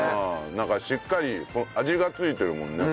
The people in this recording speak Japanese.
なんかしっかり味がついてるもんね。